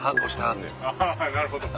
あっなるほど。